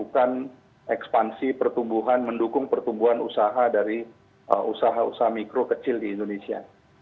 melakukan ekspansi pertumbuhan mendukung pertumbuhan usaha dari usaha usaha mikro kecil di indonesia